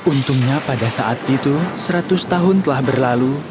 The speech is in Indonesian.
untungnya pada saat itu seratus tahun telah berlalu